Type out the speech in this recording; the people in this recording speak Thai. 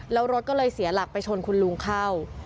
แล้วรถก็เลยเสียหลักไปชนคุณลุงเข้า